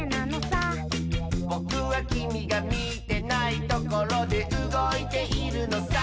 「ぼくはきみがみてないところでうごいているのさ」